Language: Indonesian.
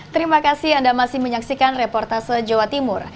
terima kasih anda masih menyaksikan reportase jawa timur